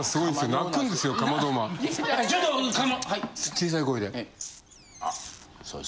小さい声で。